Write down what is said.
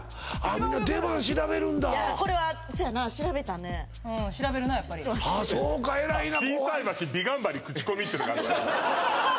みんな出番調べるんだいやこれはそやな調べたねうん調べるなやっぱりああそうか偉いな「心斎橋美顔鍼口コミ」ってのがあるわよ